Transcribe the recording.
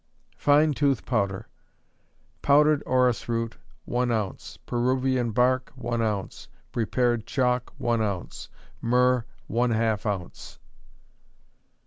Fine Tooth Powder. Powdered orris root, one ounce; peruvian bark, one ounce; prepared chalk, one ounce; myrrh, one half ounce.